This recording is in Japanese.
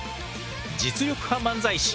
実力派漫才師。